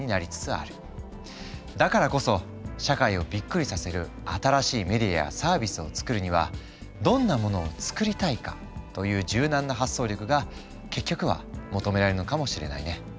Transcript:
だからこそ社会をびっくりさせる新しいメディアやサービスを作るにはどんなものを作りたいかという柔軟な発想力が結局は求められるのかもしれないね。